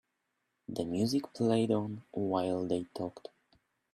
The music played on while they talked.